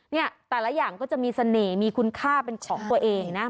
เนี่ยแต่ละอย่างก็จะมีเสน่ห์มีคุณค่าเป็นของตัวเองนะ